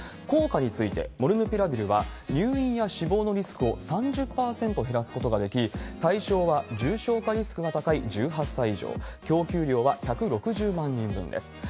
効果について、モルヌピラビルは、入院や死亡のリスクを３０％減らすことができ、対象は重症化リスクが高い１８歳以上、供給量は１６０万人分です。